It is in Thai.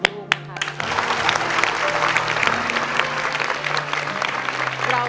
ขอบคุณครับ